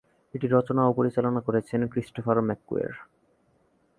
এটি রচনা ও পরিচালনা করেছেন ক্রিস্টোফার ম্যাককুয়ের।